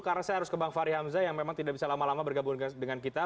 karena saya harus ke bang fary hamzah yang memang tidak bisa lama lama bergabung dengan kita